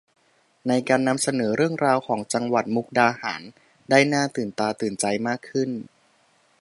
ในการนำเสนอเรื่องราวของจังหวัดมุกดาหารได้หน้าตื่นตาตื่นใจมากขึ้น